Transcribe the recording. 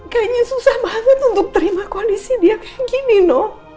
kayaknya susah banget untuk terima kondisi dia kayak gini no